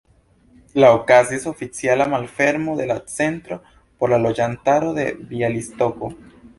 La okazis oficiala malfermo de la Centro por la loĝantaro de Bjalistoko.